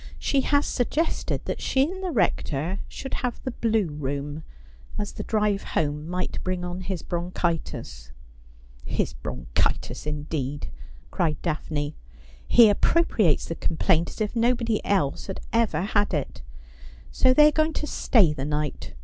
' She has suggested that she and the Rector should have the Blue Room, as the drive home might bring on his bronchitis.' ' His bronchitis, indeed !' cried Daphne. ' He appropriates the complaint as if nobody else had ever had it. So they are going to stay the night